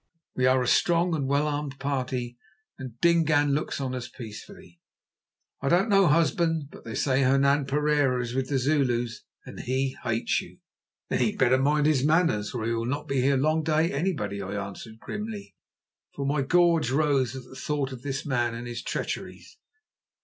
We are a strong and well armed party, and Dingaan looks on us peacefully." "I don't know, husband, but they say Hernan Pereira is with the Zulus, and he hates you." "Then he had better mind his manners, or he will not be here long to hate anybody," I answered grimly, for my gorge rose at the thought of this man and his treacheries.